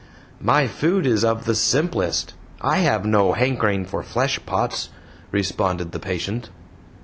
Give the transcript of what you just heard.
"My food is of the simplest I have no hankering for fleshpots," responded the patient.